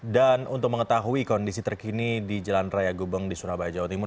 untuk mengetahui kondisi terkini di jalan raya gubeng di surabaya jawa timur